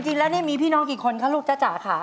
จริงแล้วนี่มีพี่น้องกี่คนคะลูกจ้าจ๋าค่ะ